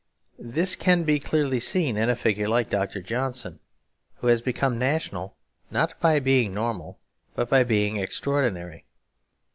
This can be clearly seen in a figure like Dr. Johnson, who has become national not by being normal but by being extraordinary.